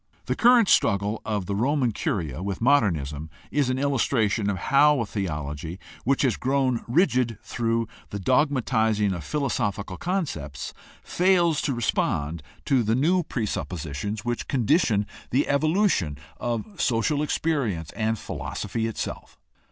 The current struggle of the Roman Curia with Modernism is an illustration of how a theology which has grown rigid through the dogmatizing of philosophical concepts fails to respond to the new presup positions which condition the evolution of social experience and philosophy itself.